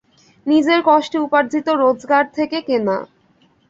নিজের কষ্টে উপার্জিত রোজগার থেকে কেনা।